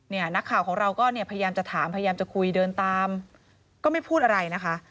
นักข่าวของเราก็เนี่ยพยายามจะถามพยายามจะคุยเดินตามก็ไม่พูดอะไรนะคะ